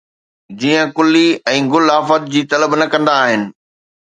جيئن ڪُلي ۽ گل آفت جي طلب نه ڪندا آهن